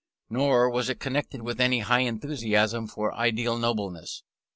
Nor was it connected with any high enthusiasm for ideal nobleness.